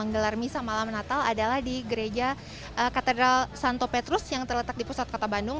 gelar misa malam natal adalah di gereja katedral santo petrus yang terletak di pusat kota bandung